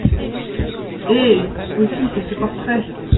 Eh ! aussi, c’est ce portrait !